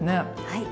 はい。